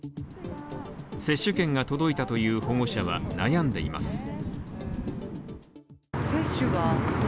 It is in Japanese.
接種券が届いたという保護者は悩んでいます。